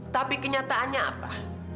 tapi kenyataannya apa